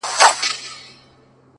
د ځناورو په خوني ځنگل کي؛